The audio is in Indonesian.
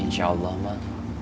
insya allah mak